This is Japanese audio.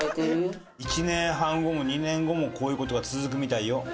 「１年半後も２年後もこういう事が続くみたいよ」。